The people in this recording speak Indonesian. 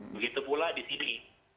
begitu pula di sini